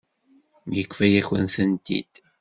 Yefka-yakent-tent-id.